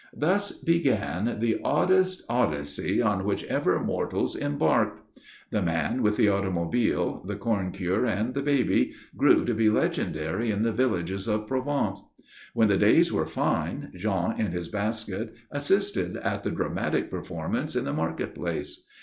Thus began the oddest Odyssey on which ever mortals embarked. The man with the automobile, the corn cure, and the baby grew to be legendary in the villages of Provence. When the days were fine, Jean in his basket assisted at the dramatic performance in the market place.